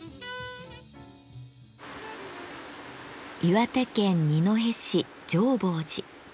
岩手県二戸市浄法寺。